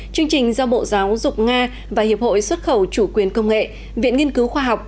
chương trình do bộ giáo dục nga và hiệp hội xuất khẩu chủ quyền công nghệ viện nghiên cứu khoa học